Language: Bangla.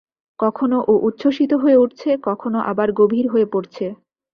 কখনো ও উচ্ছসিত হয়ে উঠছে, কখনো আবার গভীর হয়ে পড়ছে।